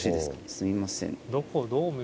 すみません。